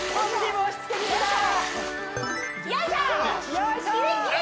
よいしょー！